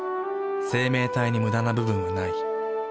生命体にムダな部分はない。